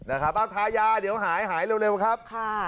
เอาทายาเดี๋ยวหายหายเร็วครับ